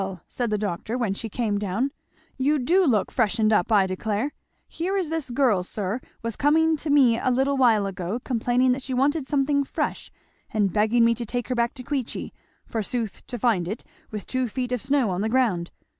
said the doctor when she came down, "you do look freshened up, I declare. Here is this girl, sir, was coming to me a little while ago, complaining that she wanted something fresh, and begging me to take her back to Queechy, forsooth, to find it, with two feet of snow on the ground.